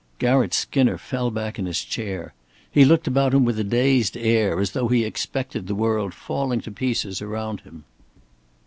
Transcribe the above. Garratt Skinner fell back in his chair. He looked about him with a dazed air, as though he expected the world falling to pieces around him.